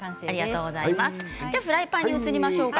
フライパンに移りましょうか。